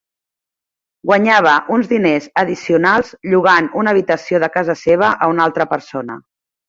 Guanyava uns diners addicionals llogant una habitació de casa seva a una altra persona